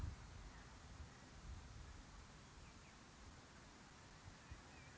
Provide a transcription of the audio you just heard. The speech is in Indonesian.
asal sekolah sma negeri sepuluh